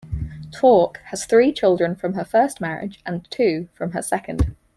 Tork has three children from her first marriage and two from her second.